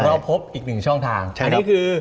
เราพบอีกหนึ่งช่องทางอันนี้คือ